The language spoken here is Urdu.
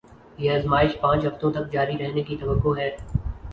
یہ آزمائش پانچ ہفتوں تک جاری رہنے کی توقع ہے